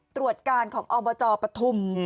ตรวจการของอบจปฐุม